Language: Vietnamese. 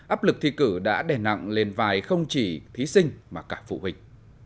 áp lực thi cử đã đè nặng lên vài không chỉ thí sinh mà cả phụ huynh